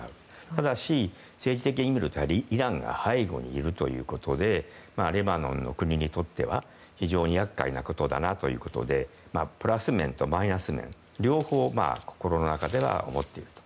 ただし政治的な意味でイランが背後にいるということでレバノンの国にとっては非常に厄介なことだなということでプラス面とマイナス面の両方を心の中では思っていると。